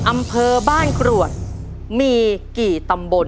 อำเภอบ้านกรวดมีกี่ตำบล